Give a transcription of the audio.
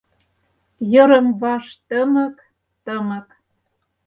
Йырым-ваш тымык, тымык.